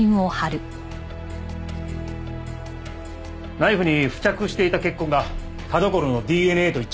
ナイフに付着していた血痕が田所のＤＮＡと一致しました。